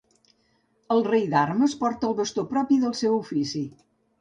El Rei d'Armes porta el bastó propi del seu ofici.